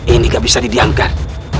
ini gak bisa didiamkan